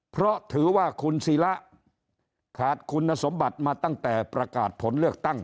เพราะถือว่าคุณศิระขาดคุณสมบัติมาตั้งแต่ประกาศผลเลือกตั้ง